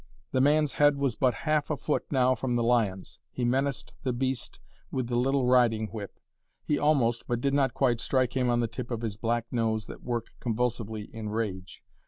The man's head was but half a foot now from the lion's; he menaced the beast with the little riding whip; he almost, but did not quite strike him on the tip of his black nose that worked convulsively in rage.